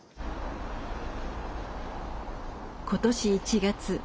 今年１月。